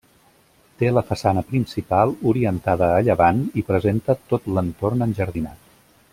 Té la façana principal orientada a llevant i presenta tot l'entorn enjardinat.